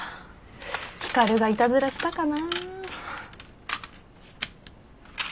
光がいたずらしたかな？